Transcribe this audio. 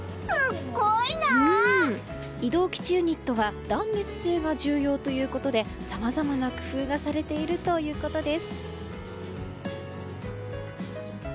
移動基地ユニットは断熱性が重要ということでさまざまな工夫がされているということです。